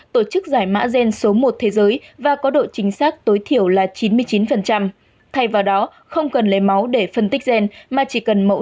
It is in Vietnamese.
tổ chức giải mã gen của việt nam